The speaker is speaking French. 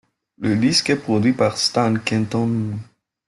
Le disque est produit par Stan Kenton.